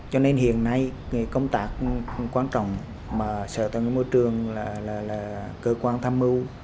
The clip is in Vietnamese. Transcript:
cho nên hiện nay công tác quan trọng mà sở tài nguyên môi trường là cơ quan tham mưu